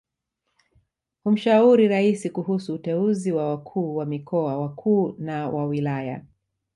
Humshauri Raisi kuhusu uteuzi wa wakuu wa mikoa wakuu na wa wilaya